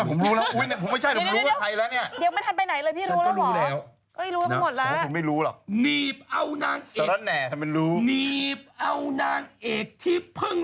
เธอไม่ใช่ฝ่ายเอกไม่มีสิทธิ์มึง